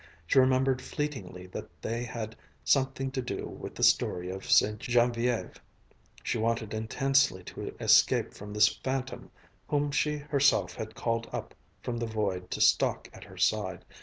She remembered fleetingly that they had something to do with the story of Ste. Geneviève. She wanted intensely to escape from this phantom whom she herself had called up from the void to stalk at her side.